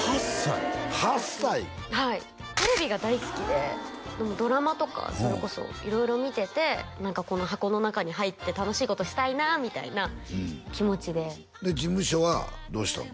はいテレビが大好きでドラマとかそれこそ色々見てて何かこの箱の中に入って楽しいことしたいなみたいな気持ちでで事務所はどうしたの？